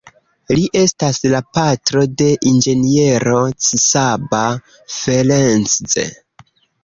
Li estas la patro de inĝeniero Csaba Ferencz.